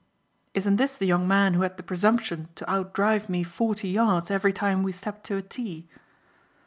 "Isn't this the young man who had the presumption to outdrive me forty yards every time we stepped to a tee?"